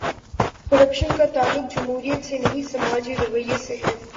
Corruption کا تعلق جمہوریت سے نہیں، سماجی رویے سے ہے۔